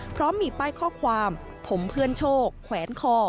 พร้อมมีป้ายข้อความผมเพื่อนโชคแขวนคอ